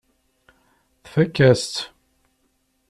Tfakk-as-tt.